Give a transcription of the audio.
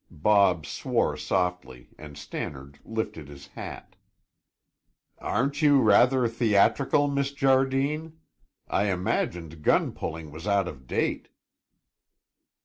Bob swore softly and Stannard lifted his hat. "Aren't you rather theatrical, Miss Jardine? I imagined gun pulling was out of date."